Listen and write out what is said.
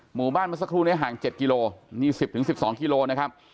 หมู่บ้านเมื่อสักครู่นี้ห่าง๗กิโลนี่๑๐๑๒กิโลนะครับ